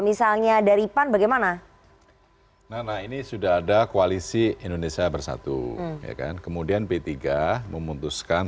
misalnya dari pan bagaimana nana ini sudah ada koalisi indonesia bersatu ya kan kemudian p tiga memutuskan